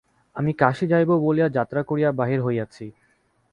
আমি কাশী যাইব বলিয়া যাত্রা করিয়া বাহির হইয়াছি।